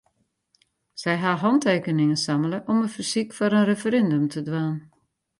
Sy ha hantekeningen sammele om in fersyk foar in referindum te dwaan.